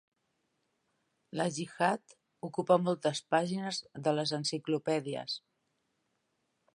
La gihad ocupa moltes pàgines de les enciclopèdies.